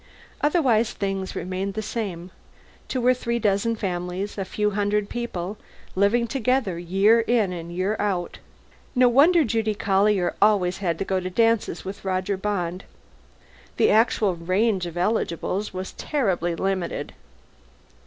Otherwise, things remained the same. Two or three dozen families, a few hundred people, living together year in and year out. No wonder Judy Collier always had to go to dances with Roger Bond. The actual range of eligibles was terribly limited.